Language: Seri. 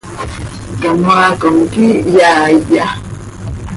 Canoaa com, ¿quíih yaaiya?